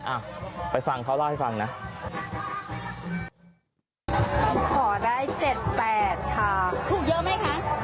อ่ะไปฟังเขาเล่าให้ฟังนะขอได้เจ็ดแปดค่ะถูกเยอะไหมคะ